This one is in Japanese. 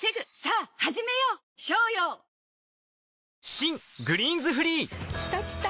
新「グリーンズフリー」きたきた！